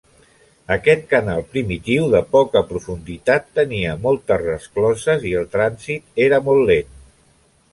Aquest canal primitiu de poca profunditat tenia moltes rescloses i el trànsit era molt lent.